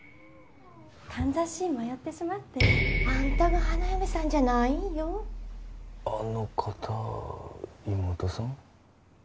かんざし迷ってしまってあんたが花嫁さんじゃないんよあの方妹さん？